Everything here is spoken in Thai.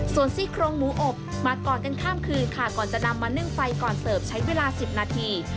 ส่วนซี่โครงหมูอบมาก่อนกันข้ามคืนค่ะก่อนจะนำมานึ่งไฟก่อนเสิร์ฟใช้เวลา๑๐นาที